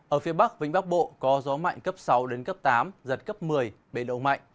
ở phía bắc vĩnh bắc bộ có gió mạnh cấp sáu đến cấp tám giật cấp một mươi bệ đậu mạnh